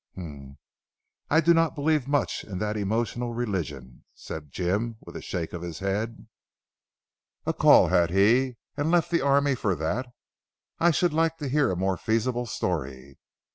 "Humph! I do not believe much in that emotional religion," said Jim with a shake of his head, "a call had he, and left the army for that? I should like to hear a more feasible story.